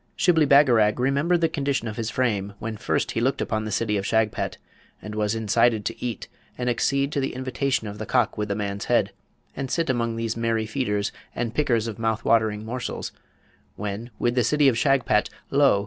Shibli Bagarag remembered the condition of his frame when first he looked upon the City of Shagpat, and was incited to eat and accede to the invitation of the cock with the man's head, and sit among these merry feeders and pickers of mouth watering morsels, when, with the City of Shagpat, lo!